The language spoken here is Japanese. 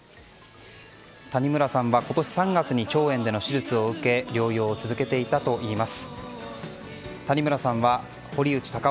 谷村さんは今年３月に腸炎の手術を受け療養を続けていたといいます。